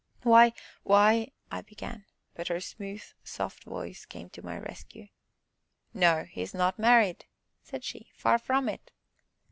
"Why why " I began, but her smooth, soft voice came to my rescue. "No he is not married," said she, "far from it."